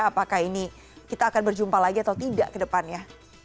apakah ini kita akan berjumpa lagi atau tidak kedepannya